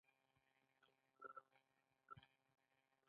تولیدي اړیکې د پرمختګ مخه نیوله.